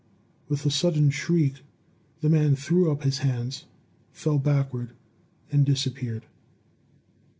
With a sudden shriek, the man threw up his hands, fell backward, and disappeared.